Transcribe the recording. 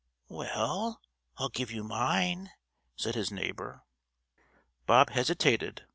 "Well, I'll give you mine," said his neighbour. Bob hesitated.